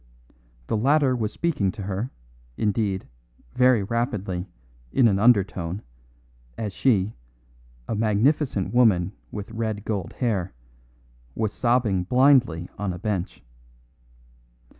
The latter was speaking to her, indeed, very rapidly, in an undertone, as she, a magnificent woman with red gold hair, was sobbing blindly on a bench.